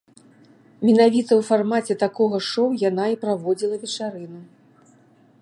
Менавіта ў фармаце такога шоу яна і праводзіла вечарыну.